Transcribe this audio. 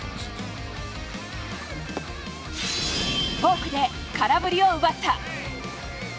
フォークで空振りを奪った。